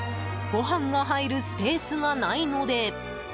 ご飯が入るスペースがないので。